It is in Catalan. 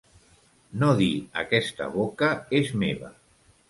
No dir aquesta boca és meva.